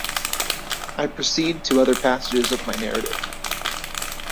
I proceed to other passages of my narrative.